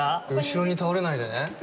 後ろに倒れないでね？